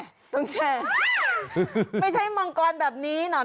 ไม่ใช่มังกรแบบนี้